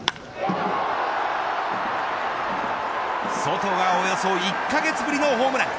ソトがおよそ１カ月ぶりのホームラン。